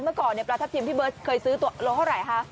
เมื่อก่อนปลาทับทิมพี่เบิร์ตเคยซื้อตัวโลเท่าไหร่คะ